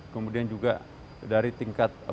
kemudian juga dari tingkat